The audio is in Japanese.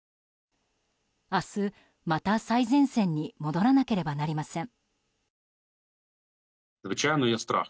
明日、また最前線に戻らなければなりません。